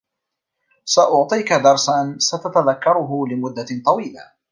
سأعطيك درسا ستتذكره لمدة طويلة.